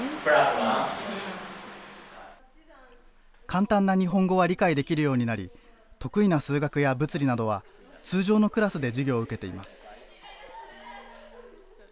簡単な日本語は理解できるようになり、得意な数学や物理などは通常のクラスで授業を受けています。